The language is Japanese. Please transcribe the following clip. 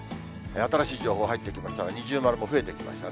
新しい情報入ってきましたら、二重丸も増えてきましたね。